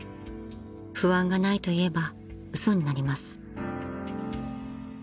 ［不安がないといえば嘘になります］